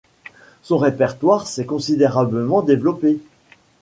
Son répertoire s'est considérablement développé.